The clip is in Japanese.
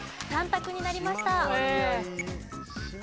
２択になりました。